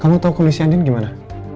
kamu tahu kondisinya andin gimana